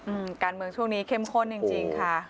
อืมการเมืองช่วงนี้เข้มข้นจริงจริงค่ะ